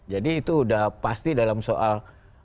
jadi itu udah pasti dalam soal